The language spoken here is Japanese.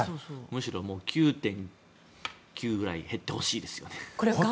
むしろ９．９ぐらい減ってほしいですよね。